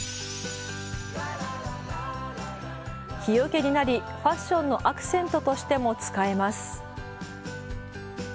日よけになりファッションのアクセントとしても使えます。